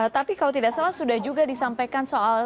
tapi kalau tidak salah sudah juga disampaikan soal